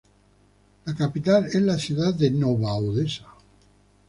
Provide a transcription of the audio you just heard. La capital es la ciudad de Nova Odesa.